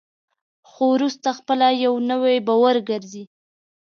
خو وروسته خپله یو نوی باور ګرځي.